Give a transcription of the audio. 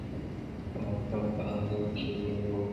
د مکتب په انګړ کې ونې وکرم؟